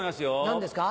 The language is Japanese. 何ですか？